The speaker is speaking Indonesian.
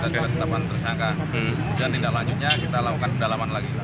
kita tetapkan tersangka kemudian tindak lanjutnya kita lakukan pendalaman lagi